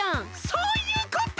そういうこと！